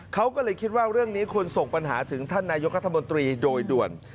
เขาก็เลยคิดว่าเรื่องนี้ควรส่งปัญหาถึงท่านนายกรัฐมนตรีโดยด่วน